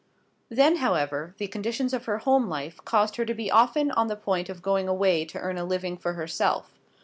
Then, however, the conditions of her home life caused her to be often on the point of going away to earn a living for herself.